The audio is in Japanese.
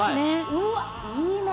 うわっ、いいなぁ。